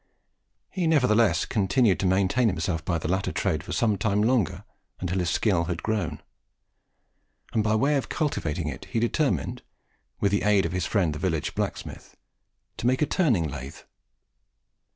He nevertheless continued to maintain himself by the latter trade for some time longer, until his skill had grown; and, by way of cultivating it, he determined, with the aid of his friend the village blacksmith, to make a turning lathe.